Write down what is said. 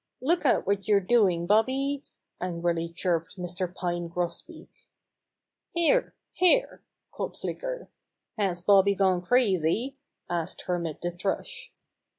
"Look out what you're doing, Bobby!" angrily chirp ed Mr. Pine Grosbeak. "Here ! Here !" called Flicker. "Has Bobby gone crazy?" asked Hermit the Thrush.